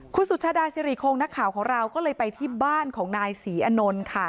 คุณสุชาดาสิริคงนักข่าวของเราก็เลยไปที่บ้านของนายศรีอนนท์ค่ะ